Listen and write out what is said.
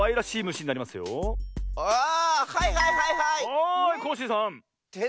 はいコッシーさん。